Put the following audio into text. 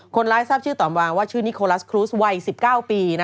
ทราบชื่อต่อมาว่าชื่อนิโคลัสครูสวัย๑๙ปี